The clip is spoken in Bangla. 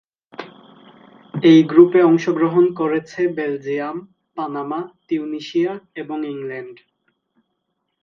এই গ্রুপে অংশগ্রহণ করছে বেলজিয়াম, পানামা, তিউনিসিয়া এবং ইংল্যান্ড।